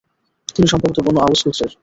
তিনি সম্ভবত Banu Aws গোত্রের।